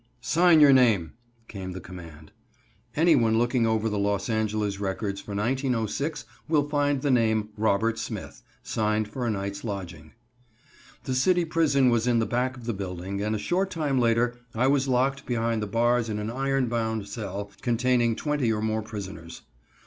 "Sign your name!" came the command. Anyone looking over the Los Angeles records for 1906 will find the name "Robert Smith," signed for a night's lodging. The city prison was in the back of the building, and a short time later I was locked behind the bars in an iron bound cell containing twenty or more prisoners.